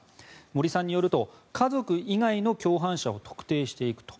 森さんによると家族以外の共犯者を特定していくと。